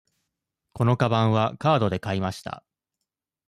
このかばんはカードで買いました。